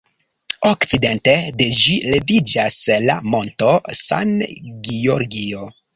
Okcidente de ĝi leviĝas la Monto San Giorgio.